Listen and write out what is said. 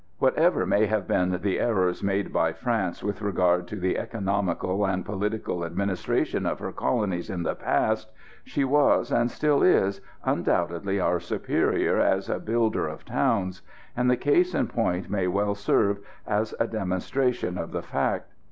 Whatever may have been the errors made by France with regard to the economical and political administration of her colonies in the past, she was, and still is, undoubtedly our superior as a builder of towns; and the case in point may well serve as a demonstration of the fact.